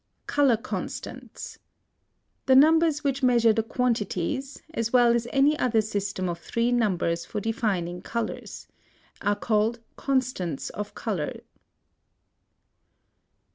COLOR CONSTANTS. The numbers which measure the quantities, as well as any other system of three numbers for defining colors, are called constants of color.